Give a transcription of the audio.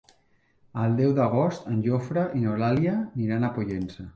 El deu d'agost en Jofre i n'Eulàlia iran a Pollença.